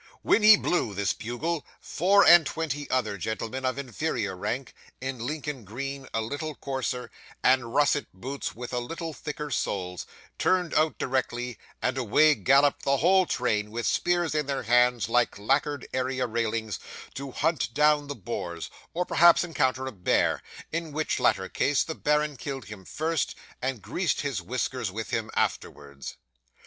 When he blew this bugle, four and twenty other gentlemen of inferior rank, in Lincoln green a little coarser, and russet boots with a little thicker soles, turned out directly: and away galloped the whole train, with spears in their hands like lacquered area railings, to hunt down the boars, or perhaps encounter a bear: in which latter case the baron killed him first, and greased his whiskers with him afterwards.